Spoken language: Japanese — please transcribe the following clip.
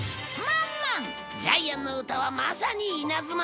ジャイアンの歌はまさに稲妻。